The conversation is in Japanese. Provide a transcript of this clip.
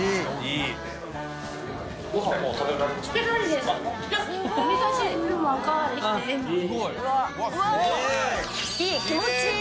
いい気持ちいい！